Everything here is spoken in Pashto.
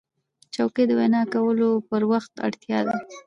چوکۍ د وینا کولو پر وخت اړتیا ده.